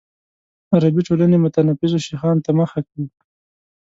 عربي ټولنې متنفذو شیخانو ته مخه کوي.